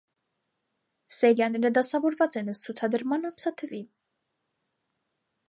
Սերիաները դասավորված են ըստ ցուցադրման ամսաթվի։